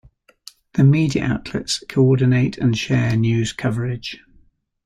The media outlets coordinate and share news coverage.